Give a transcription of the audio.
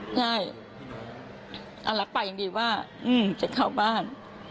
ใช่อันลักษณะอย่างดีว่าจะเข้าบ้าน